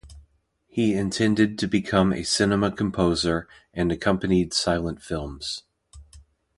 He intended to become a cinema composer and accompanied silent films.